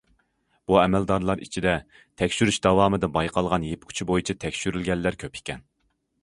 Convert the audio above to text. بۇ ئەمەلدارلار ئىچىدە تەكشۈرۈش داۋامىدا بايقالغان يىپ ئۇچى بويىچە تەكشۈرۈلگەنلەر كۆپ ئىكەن.